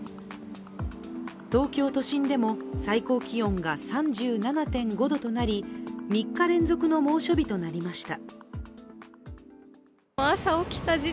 東京都心でも最高気温が３７．５度となり３日連続の猛暑日となりました。